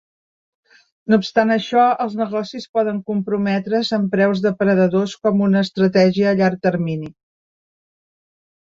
No obstant això, els negocis poden comprometre's amb preus depredadors com una estratègia a llarg termini.